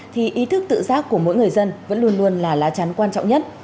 thì ý thức tự giác của mỗi người dân vẫn luôn luôn là lá chắn quan trọng nhất